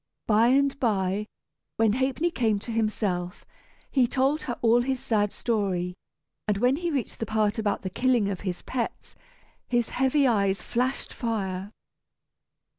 By and by, when Ha'penny came to himself, he told her all his sad story, and when he reached the part about the killing of his pets, his heavy eyes flashed fire.